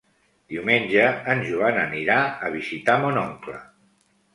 Diumenge en Joan anirà a visitar mon oncle.